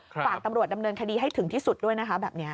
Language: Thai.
ฝากตำรวจดำเนินคดีให้ถึงที่สุดด้วยนะคะแบบนี้